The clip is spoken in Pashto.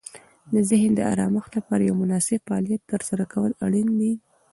د ذهن د آرامښت لپاره یو مناسب فعالیت ترسره کول اړین دي.